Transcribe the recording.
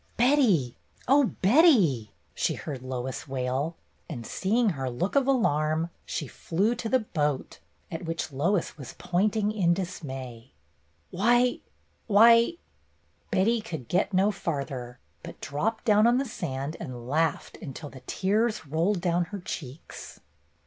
"Betty, oh, Betty!'' she heard Lois wail; and seeing her look of alarm, she flew to the boat, at which Lois was pointing in dismay. " Why — why 1 " Betty could get no farther, but dropped down on the sand and laughed until the tears rolled down her cheeks.